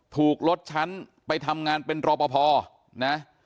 ถูกลดชั้นไปทำงานเป็นรอปภนะ